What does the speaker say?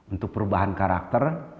untuk perubahan karakter